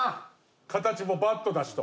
形もバットだしと。